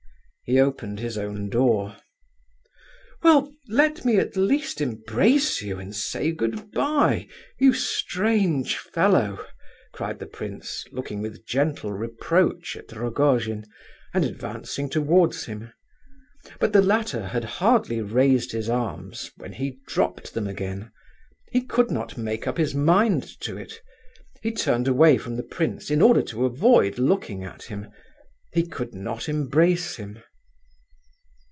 He opened his own door. "Well, let me at least embrace you and say goodbye, you strange fellow!" cried the prince, looking with gentle reproach at Rogojin, and advancing towards him. But the latter had hardly raised his arms when he dropped them again. He could not make up his mind to it; he turned away from the prince in order to avoid looking at him. He could not embrace him.